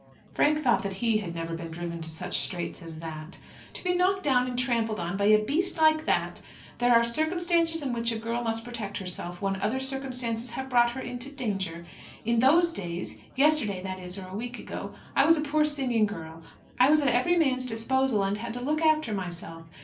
Frank thought that he had never been driven to such straits as that. "To be knocked down and trampled on by a beast like that! There are circumstances in which a girl must protect herself, when other circumstances have brought her into danger. In those days yesterday, that is, or a week ago I was a poor singing girl. I was at every man's disposal, and had to look after myself.